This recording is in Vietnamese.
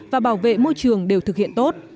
và bảo vệ môi trường đều thực hiện tốt